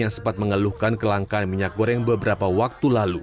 yang sempat mengeluhkan kelangkaan minyak goreng beberapa waktu lalu